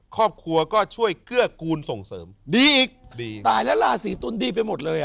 ครอบครัวก็ช่วยเกื้อกูลส่งเสริมดีอีกดีตายแล้วราศีตุลดีไปหมดเลยอ่ะ